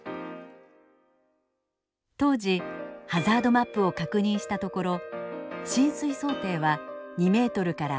当時ハザードマップを確認したところ浸水想定は２ｍから３ｍ。